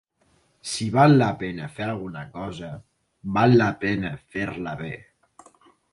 Si val la pena fer alguna cosa, val la pena fer-la bé.